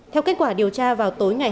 theo kết quả điều tra vào tối nay